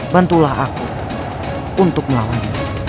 bantulah aku untuk melawan